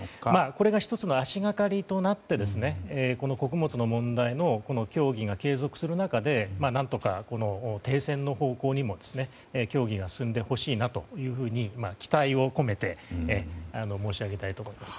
これが１つの足掛かりとなって穀物の問題の協議が継続する中で何とか停戦の方向にも協議が進んでほしいなと期待を込めて申し上げたいと思います。